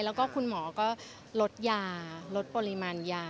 แล้วก็คุณหมอก็ลดยาลดปริมาณยา